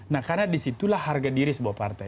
nah karena disitulah harga diri sebuah partai